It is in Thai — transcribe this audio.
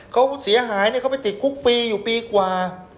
เขาเสียหายเขาไปติดคุกฟรีอยู่ปีกว่า